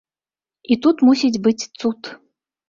І тут мусіць быць цуд.